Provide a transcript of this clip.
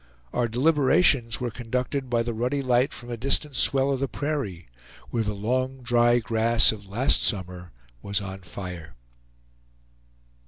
Our deliberations were conducted by the ruddy light from a distant swell of the prairie, where the long dry grass of last summer was on fire.